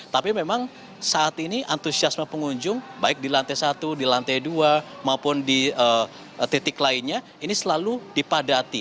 tapi memang saat ini antusiasme pengunjung baik di lantai satu di lantai dua maupun di titik lainnya ini selalu dipadati